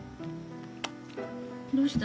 どうした？